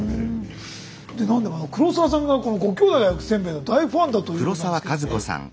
何でも黒沢さんがこのご兄弟が焼くせんべいの大ファンだということなんですけども。